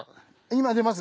今出ます？